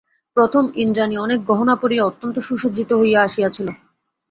প্রথম, ইন্দ্রাণী অনেক গহনা পরিয়া অত্যন্ত সুসজ্জিত হইয়া আসিয়াছিল।